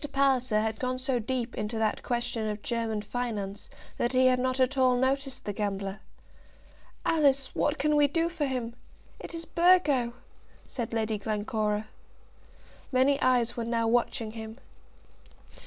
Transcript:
Palliser had gone so deep into that question of German finance that he had not at all noticed the gambler. "Alice, what can we do for him? It is Burgo," said Lady Glencora. Many eyes were now watching him.